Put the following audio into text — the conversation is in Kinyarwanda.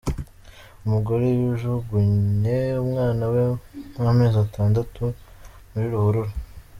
Umugore yajugunye umwana we w’amezi atandatu muri ruhurura .